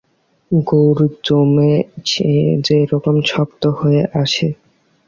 গুড় জমে যেরকম শক্ত হয়ে আসে।